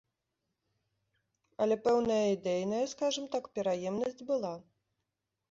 Але пэўная ідэйная, скажам так, пераемнасць была.